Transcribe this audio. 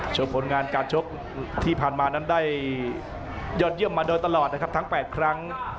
ผลงานการชกที่ผ่านมานั้นได้ยอดเยี่ยมมาโดยตลอดนะครับทั้ง๘ครั้ง